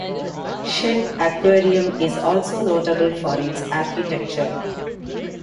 Shedd Aquarium is also notable for its architecture.